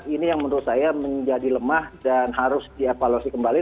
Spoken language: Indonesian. ini yang menurut saya menjadi lemah dan harus dievaluasi kembali